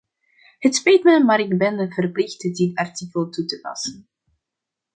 Het spijt me, maar ik ben verplicht dit artikel toe te passen.